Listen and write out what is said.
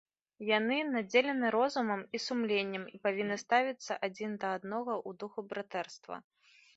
Яны надзелены розумам і сумленнем і павінны ставіцца адзін да аднаго ў духу братэрства.